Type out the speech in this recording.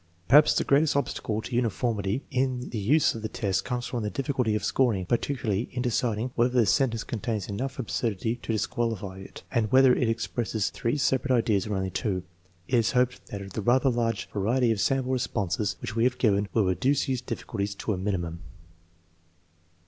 Perhaps the greatest obstacle to uniformity in the use of the test comes from the difficulty of scoring, particularly in deciding whether the sentence contains enough absurdity to disqualify it, and whether it expresses three separate ideas or only two. It is hoped that the rather large variety of sample responses which we have given will reduce these difficulties to a miTnTrmrn.